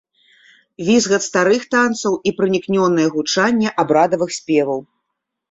Візгат старых танцаў і пранікнёнае гучанне абрадавых спеваў.